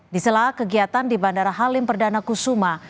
di sela kegiatan di bandara halim perdana kusuma